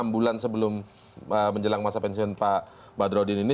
enam bulan sebelum menjelang masa pensiun pak badrodin ini